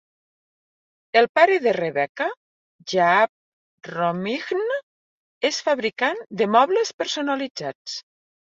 El pare de Rebecca, Jaap Romijn, és fabricant de mobles personalitzats.